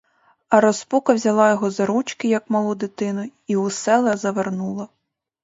А розпука взяла його за ручку, як малу дитину, і у села завернула.